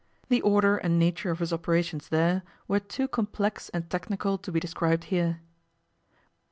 The order and nature of his operations there were too complex and technical to be described here.